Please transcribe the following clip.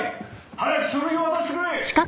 早く書類を渡してくれ！